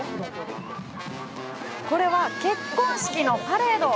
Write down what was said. これは結婚式のパレード。